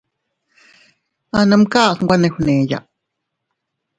A numkas nwe ne fgneya.